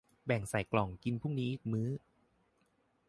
แบ่งใส่กล่องกินพรุ่งนี้อีกมื้อ